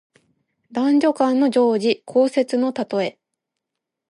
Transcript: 男女間の情事、交接のたとえ。